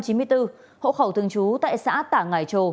hậu khẩu thương chú tại xã tả ngải trồ